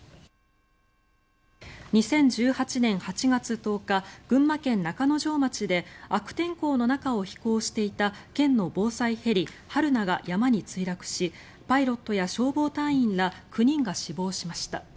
２０１８年８月１０日群馬県中之条町で悪天候の中を飛行していた県の防災ヘリ、「はるな」が山に墜落しパイロットや消防隊員ら９人が死亡しました。